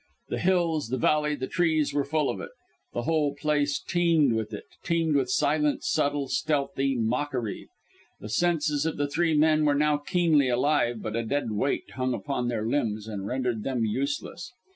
The hills, the valley, the trees were full of it the whole place teemed with it teemed with silent, subtle, stealthy mockery. The senses of the three men were now keenly alive, but a dead weight hung upon their limbs and rendered them useless.